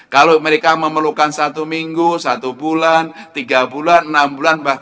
kalau mereka memerlukan satu minggu satu bulan dan kemudian membangun akreditasi